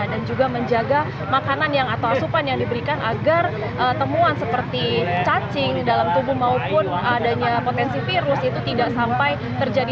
dan juga menjaga makanan atau asupan yang diberikan agar temuan seperti cacing dalam tubuh maupun adanya potensi virus itu tidak sampai terjadi